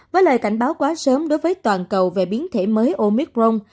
với lời cảnh báo quá sớm đối với toàn cầu về biến thể mới omicron